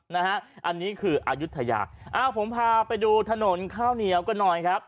นะฮะอันนี้คืออายุทยาอ้าวผมพาไปดูถนนข้าวเหนียวกันหน่อยครับ